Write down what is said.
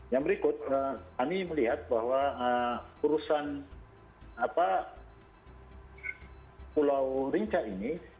yang berikut kami melihat bahwa urusan pulau rinca ini